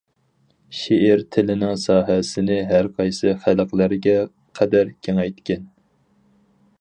شېئىر تىلىنىڭ ساھەسىنى ھەر قايسى خەلقلەرگە قەدەر كېڭەيتكەن.